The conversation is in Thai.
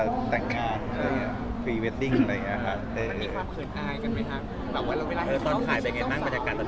กลางประเทศมีเครื่องบันไดล้วงตัวให้ที่จนตัดตั้ง